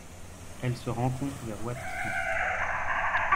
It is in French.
Elle se rencontre vers Huadquina.